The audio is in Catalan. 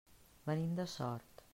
Venim de Sort.